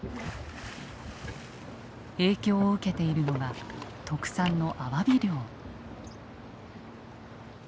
影響を受けているのが特産のアワビ漁。